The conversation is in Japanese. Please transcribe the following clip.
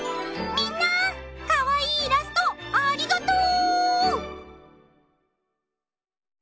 みんなかわいいイラストありがとう！